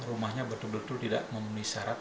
rumahnya betul betul tidak memenuhi syarat